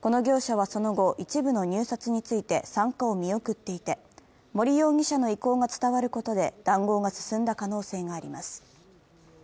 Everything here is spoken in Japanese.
この業者はその後、一部の入札について参加を見送っていて森容疑者の意向が伝わることで談合が進んだ可能性があります。